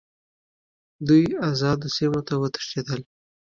دوی آزادو سیمو ته وتښتېدل.